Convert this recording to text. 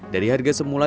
dari harga semula